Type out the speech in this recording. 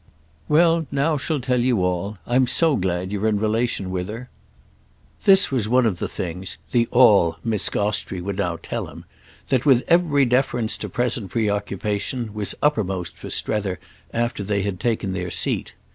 "Well, now she'll tell you all. I'm so glad you're in relation with her." This was one of the things—the "all" Miss Gostrey would now tell him—that, with every deference to present preoccupation, was uppermost for Strether after they had taken their seat.